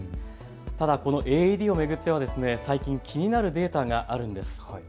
ただこのＡＥＤを巡っては最近気になるデータがあるんです。